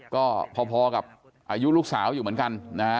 ก็พอกับอายุลูกสาวอยู่เหมือนกันนะฮะ